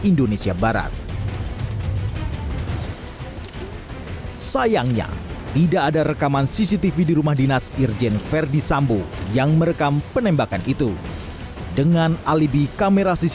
pukulingyesus menunjukkan seperti saat menemukan penembakan voices kemarin